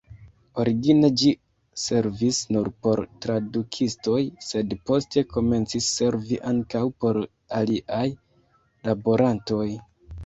Origine ĝi servis nur por tradukistoj, sed poste komencis servi ankaŭ por aliaj laborantoj.